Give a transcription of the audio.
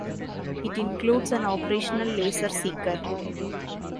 It includes an operational laser seeker.